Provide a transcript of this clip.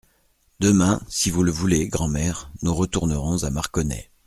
Demain, si vous le voulez, grand'mère, nous retournerons à Marconnay.